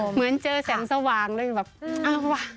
เหมือนเจอแสงสวางแล้วอย่างแบบเอาวะ